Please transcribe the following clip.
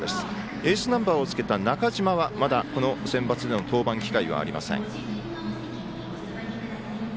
エースナンバーをつけた中嶋はまだセンバツでの登板機会はありません。